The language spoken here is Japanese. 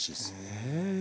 へえ。